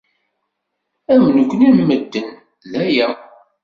Am nekni am medden, d aya.